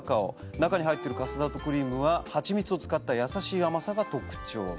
中に入ってるカスタードクリームは蜂蜜を使ったやさしい甘さが特徴。